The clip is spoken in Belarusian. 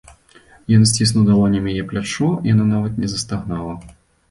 Ён сціснуў далонямі яе плячо, яна нават не застагнала.